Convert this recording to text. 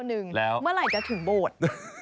เมื่อไหร่จะถึงบวช